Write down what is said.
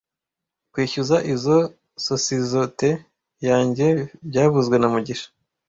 Kwishyuza izoi sosizoete yanjye byavuzwe na mugisha